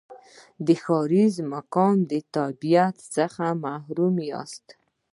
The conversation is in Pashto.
د ښاریز مقام یا تابعیت څخه محروم یاست.